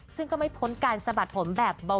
ซึ่งก็ไม่พ้นการสะบัดผมแบบเบา